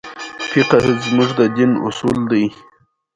د غلامۍ او ازادۍ زاړه وسایل بدل شوي دي.